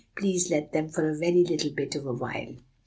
"Please let them for a very little bit of a while."